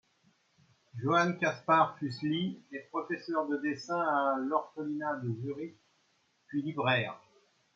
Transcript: Johann Kaspar Füssli est professeur de dessin à l'orphelinat de Zurich, puis libraire.